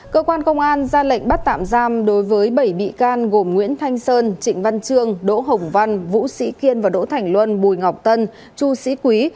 cơ quan công an ra lệnh bắt tạm giam đối với bảy bị can gồm nguyễn thanh sơn trịnh văn trương đỗ hồng văn vũ sĩ kiên và đỗ thành luân bùi ngọc tân chu sĩ quý